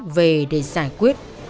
về để giải quyết